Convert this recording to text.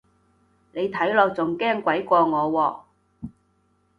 你睇落仲驚鬼過我喎